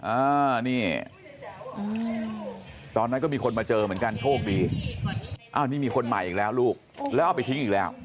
อ่านี่ตอนนั้นก็มีคนมาเจอเหมือนกันโชคดีอ้าวนี่มีคนใหม่อีกแล้วลูกแล้วเอาไปทิ้งอีกแล้ว